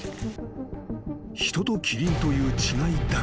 ［人とキリンという違いだけ。